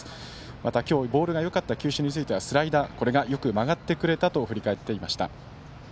またボールがよかった球種についてはスライダーがよく曲がってくれたと振り返ってくれました。